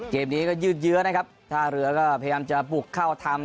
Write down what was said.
เกมนี้ก็ยืดเยื้อนะครับท่าเรือก็พยายามจะปลุกเข้าทำ